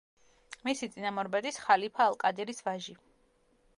მისი წინამორბედის, ხალიფა ალ-კადირის ვაჟი.